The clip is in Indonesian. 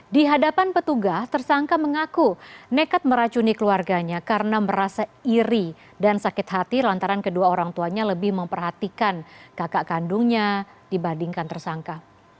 di hadapan petugas tersangka mengaku nekat meracuni keluarganya karena merasa iri dan sakit hati lantaran kedua orang tuanya lebih memperhatikan kakak kandungnya dibandingkan tersangka